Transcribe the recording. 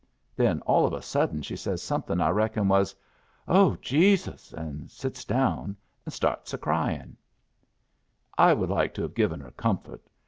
Then all of a sudden she says something I reckon was 'O, Jesus,' and sits down and starts a cryin'. "I would like to have given her comfort.